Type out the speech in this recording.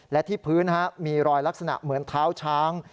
และที่พื้นมีรอยลักษณะเหมือนเท้าช้าง